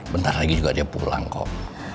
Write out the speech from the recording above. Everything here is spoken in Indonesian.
bentar lagi juga dia pulang kok